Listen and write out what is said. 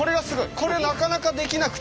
これなかなかできなくて。